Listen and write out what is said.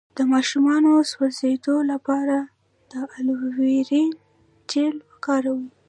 د ماشوم د سوځیدو لپاره د الوویرا جیل وکاروئ